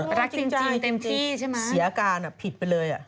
ก็รักจริงเต็มที่ใช่ไหมคือเสียะการนะผิดไปเลย